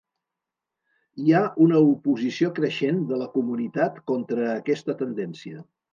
Hi ha una oposició creixent de la comunitat contra aquesta tendència.